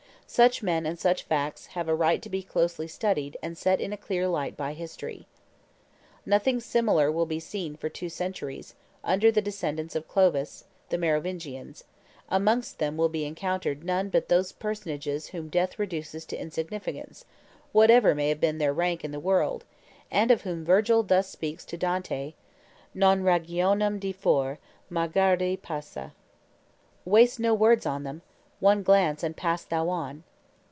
Such men and such facts have a right to be closely studied and set in a clear light by history. Nothing similar will be seen for two centuries, under the descendants of Clovis, the Merovingians; amongst them will be encountered none but those personages whom death reduces to insignificance, whatever may have been their rank in the world, and of whom Virgil thus speaks to Dante: "Non ragionam di for, ma guarda e passa." "Waste we no words on them: one glance and pass thou on."